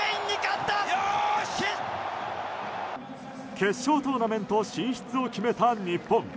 決勝トーナメント進出を決めた日本。